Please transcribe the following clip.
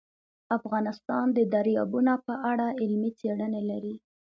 افغانستان د دریابونه په اړه علمي څېړنې لري.